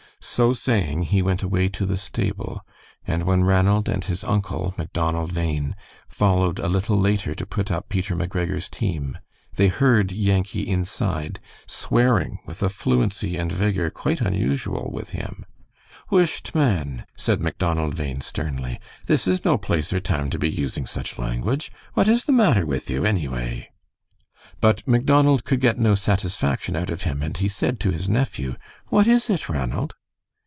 So saying, he went away to the stable, and when Ranald and his uncle, Macdonald Bhain, followed a little later to put up Peter McGregor's team, they heard Yankee inside, swearing with a fluency and vigor quite unusual with him. "Whisht, man!" said Macdonald Bhain, sternly. "This is no place or time to be using such language. What is the matter with you, anyway?" But Macdonald could get no satisfaction out of him, and he said to his nephew, "What is it, Ranald?"